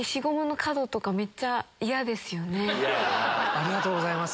ありがとうございます。